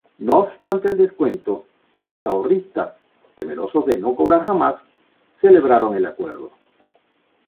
No obstante el descuento, los ahorristas, temerosos de no cobrar jamás, celebraron el acuerdo.